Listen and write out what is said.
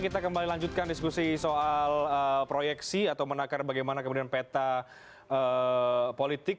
kita kembali lanjutkan diskusi soal proyeksi atau menakar bagaimana kemudian peta politik